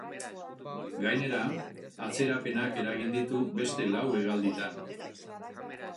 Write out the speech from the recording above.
Gainera, atzerapenak eragin ditu beste lau hegalditan.